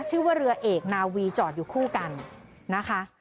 ชื่อว่าเรือเอกนาวีจอดอยู่คู่กันนะคะ